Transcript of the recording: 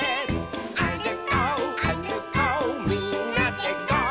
「あるこうあるこうみんなでゴー！」